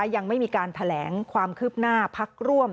ยังไม่มีการแถลงความคืบหน้าพักร่วม